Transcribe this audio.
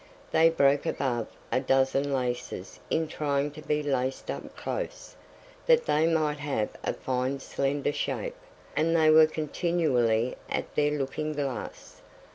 They broke above a dozen laces in trying to be laced up close, that they might have a fine slender shape, and they were continually at their looking glass.